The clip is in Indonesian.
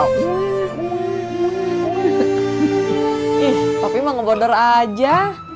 ih tapi mau ngebodor aja